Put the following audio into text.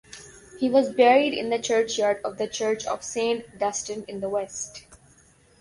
He was buried in the churchyard of the Church of Saint Dunstan-in-the-West.